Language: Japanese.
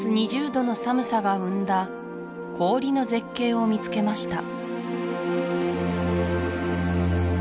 ２０度の寒さが生んだ氷の絶景を見つけました